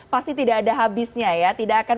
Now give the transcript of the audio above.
pasti tidak ada habisnya ya tidak akan